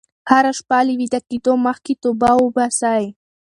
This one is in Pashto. هره شپه له ویده کېدو مخکې توبه وباسئ.